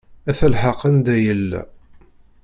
Ata lḥeq anda yella.